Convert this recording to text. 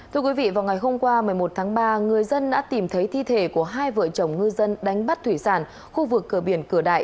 thưa quý vị vào ngày hôm qua một mươi một tháng ba người dân đã tìm thấy thi thể của hai vợ chồng ngư dân đánh bắt thủy sản khu vực cửa biển cửa đại